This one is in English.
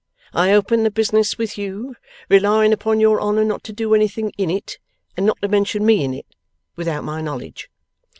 I open the business with you, relying upon your honour not to do anything in it, and not to mention me in it, without my knowledge.